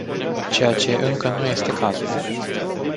Ceea ce încă nu este cazul.